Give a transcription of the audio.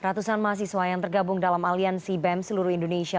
ratusan mahasiswa yang tergabung dalam aliansi bem seluruh indonesia